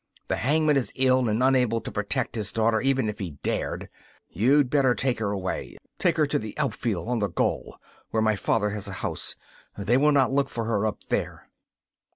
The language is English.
The hangman is ill and unable to protect his daughter, even if he dared. You'd better take her away take her to the Alpfeld on the Göll, where my father has a house. They will not look for her up there.